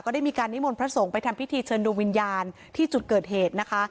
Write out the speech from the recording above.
ได้มีการนิมนต์พระสงฆ์ไปทำพิธีเชิญดูวิญญาณที่จุดเกิดเหตุนะคะ